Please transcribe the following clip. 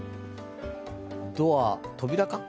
ドア、扉か？